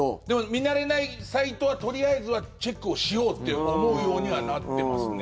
見慣れないサイトはとりあえずはチェックをしようと思うようにはなってますね。